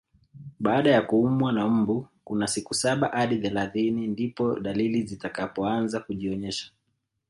Baada ya kuumwa na mbu kuna siku saba hadi thelathini ndipo dalili zitakapoanza kujionyesha